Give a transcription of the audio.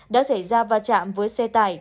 đã xảy ra va chạm với xe tải